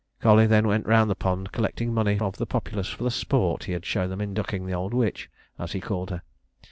Colley then went round the pond, collecting money of the populace for the sport he had shown them in ducking the old witch, as he called her.